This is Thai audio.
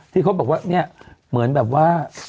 ที่เขาบอกว่าเนี่ยเหมือนแบบว่า